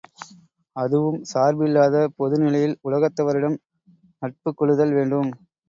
அதுவும் சார்பில்லாத பொது நிலையில் உலகத்தவரிடம் நட்புக் கொள்ளுதல் வேண்டும்.